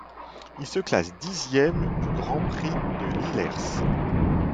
Il se classe dixième du Grand Prix de Lillers.